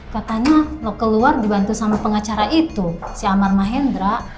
katanya keluar dibantu sama pengacara itu si amar mahendra